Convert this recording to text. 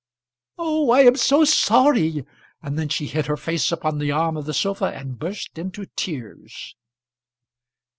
"Oh, I am so sorry!" And then she hid her face upon the arm of the sofa and burst into tears.